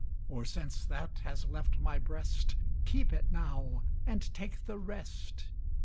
Or, since that has left my breast, Keep it now, and take the rest!